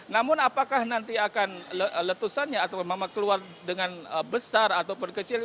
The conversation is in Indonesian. namun apakah nanti akan letusannya atau memang keluar dengan besar ataupun kecil